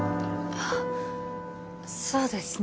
あっそうですね